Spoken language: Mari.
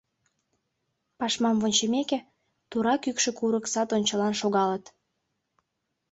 Пашмам вончымеке, тура кӱкшӧ курык сад ончылан шогалыт.